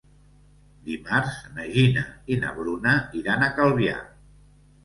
Dimarts na Gina i na Bruna iran a Calvià.